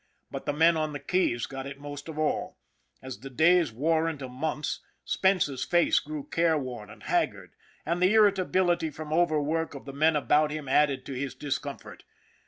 But the men on the keys got it most of all. As the days wore into months, Spence's face grew careworn and haggard ; and the irritability from overwork of the men about him added to his discomfort.